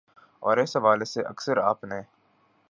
اور اس حوالے سے اکثر آپ نے